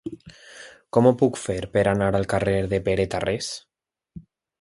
Com ho puc fer per anar al carrer de Pere Tarrés?